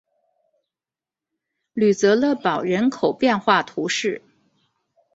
吕泽勒堡人口变化图示